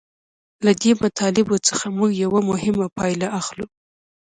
له دې مطالبو څخه موږ یوه مهمه پایله اخلو